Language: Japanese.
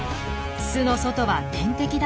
巣の外は天敵だらけ。